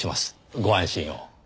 ご安心を。